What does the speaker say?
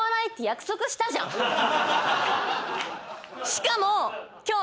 しかも。